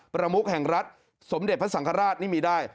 ประมุกแห่งรัฐสมเด็จพระสังฆราชนี่มีได้